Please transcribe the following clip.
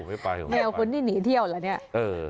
ไม่ไปไม่ไปแนวคุณนี่หนีเที่ยวแล้วเนี่ย